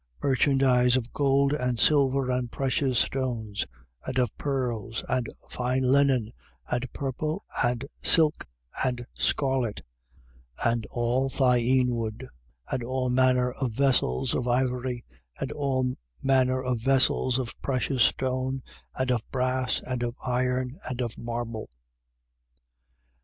18:12. Merchandise of gold and silver and precious stones: and of pearls and fine linen and purple and silk and scarlet: and all thyine wood: and all manner of vessels of ivory: and all manner of vessels of precious stone and of brass and of iron and of marble: 18:13.